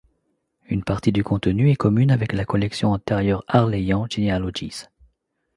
Une partie du contenu est commune avec la collection antérieure Harleian genealogies.